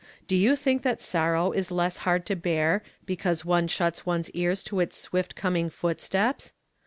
Do you think that sor row is less hard to bear because one shuts one's ears to its swift coming footsteps?